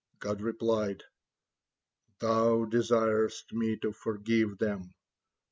God replied: "Thou desirest Me to forgive them.